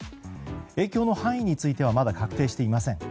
影響の範囲についてはまだ確定していません。